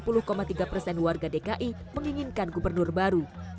sehingga di sini ada dua persen warga dki menginginkan gubernur baru